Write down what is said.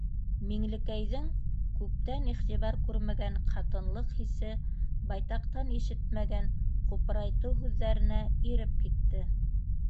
Миңлекәйҙең күптән иғтибар күрмәгән ҡатынлыҡ хисе байтаҡтан ишетмәгән ҡупрайтыу һүҙҙәренә иреп китте.